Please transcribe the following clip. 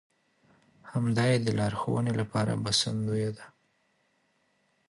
همدا يې د لارښوونې لپاره بسندويه ده.